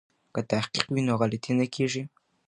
که تحقیق وي نو غلطي نه کیږي.